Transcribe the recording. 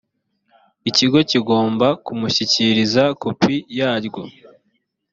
ikigo kigomba kumushyikiriza kopi ya ryo